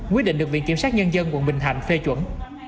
quyết định được viện kiểm sát nhân dân quận bình thạnh phê chuẩn